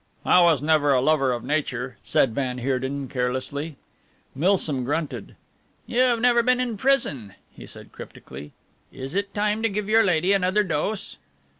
"I was never a lover of nature," said van Heerden, carelessly. Milsom grunted. "You have never been in prison," he said cryptically. "Is it time to give your lady another dose?"